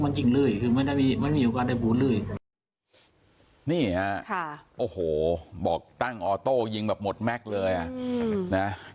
อ่ะครับโอ้โหบอกตั้งออโต้ยิงแบบหมดมาสเลยอ่ะ